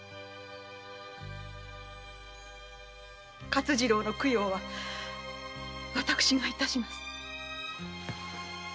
勝次郎の供養は私が致します。